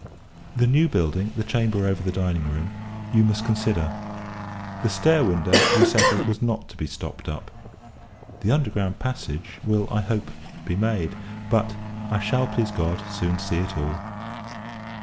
The new building the chamber over the dining room, you must consider. The stair window, we settled, was not to be stopped up. The underground passage will, I hope, be made; but I shall, please God, soon see it all.